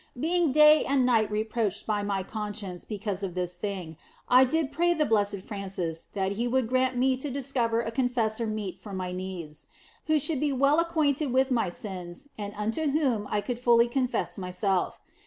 Being day and night reproached by my conscience because of this thing, I did pray the Blessed Francis that he would grant me to discover a con fessor meet for my needs, who should be well acquainted A 2 THE BLESSED ANGELA with my sins and unto whom I could fully confess myself.